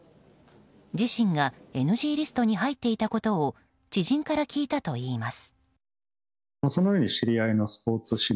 自身がＮＧリストに入っていたことを知人から聞いたといいます。